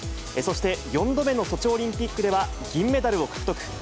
そして、４度目のソチオリンピックでは銀メダルを獲得。